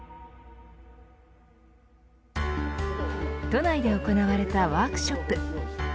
都内で行われたワークショップ。